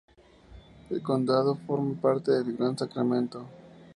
El condado forma parte del Gran Sacramento.